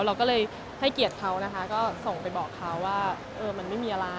เราก็เลยให้เกียรติเขานะคะก็ส่งไปบอกเขาว่าเออมันไม่มีอะไร